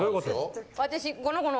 私。